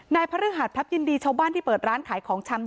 พระฤหัสพลับยินดีชาวบ้านที่เปิดร้านขายของชำ